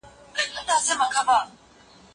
څنګه د بازار سیالي د تولید کیفیت لوړوي؟